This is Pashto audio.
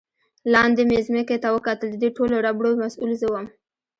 لاندې مې ځمکې ته وکتل، د دې ټولو ربړو مسؤل زه ووم.